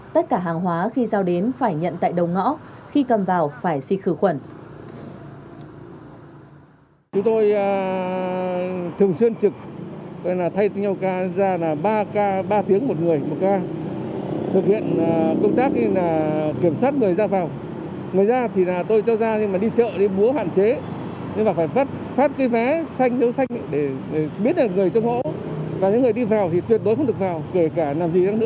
tất cả hàng hóa khi giao đến phải nhận tại đầu ngõ khi cầm vào phải si khử khuẩn